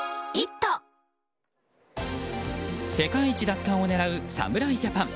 世界一奪還を狙う侍ジャパン。